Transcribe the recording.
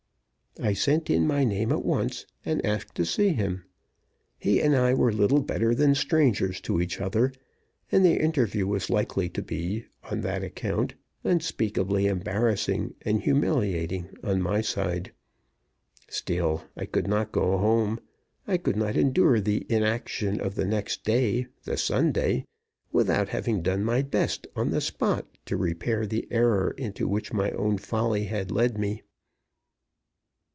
I sent in my name at once, and asked to see him. He and I were little better than strangers to each other, and the interview was likely to be, on that account, unspeakably embarrassing and humiliating on my side. Still, I could not go home. I could not endure the inaction of the next day, the Sunday, without having done my best on the spot to repair the error into which my own folly had led me.